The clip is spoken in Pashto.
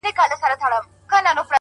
ژورې ریښې سخت طوفانونه زغمي؛